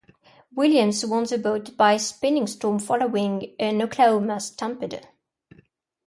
Williams won the bout by pinning Storm following an "Oklahoma Stampede".